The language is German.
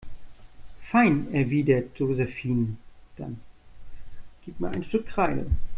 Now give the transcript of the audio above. Fein, erwidert Josephine, dann gib mir ein Stück Kreide.